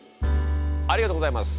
ありがとうございます。